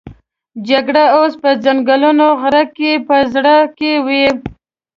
جګړه اوس په څنګلوري غره کې په زور کې وه.